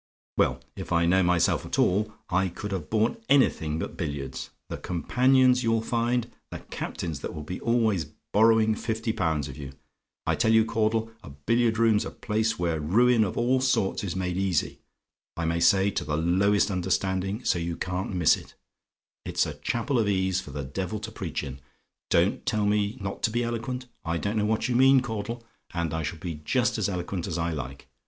"Well, if I know myself at all, I could have borne anything but billiards. The companions you'll find! The Captains that will be always borrowing fifty pounds of you! I tell you, Caudle, a billiard room's a place where ruin of all sorts is made easy, I may say, to the lowest understanding, so you can't miss it. It's a chapel of ease for the devil to preach in don't tell me not to be eloquent: I don't know what you mean, Mr. Caudle, and I shall be just as eloquent as I like.